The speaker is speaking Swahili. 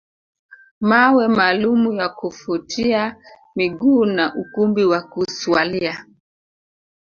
Mawe maalumu ya kufutia miguu na ukumbi wa kuswalia